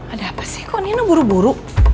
ada apa sih kok nina buru buru